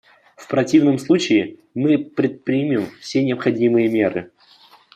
В противном случае мы предпримем все необходимые меры.